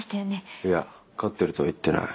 いや飼ってるとは言ってない。